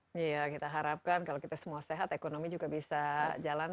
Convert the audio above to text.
iya kita harapkan kalau kita semua sehat ekonomi juga bisa jalan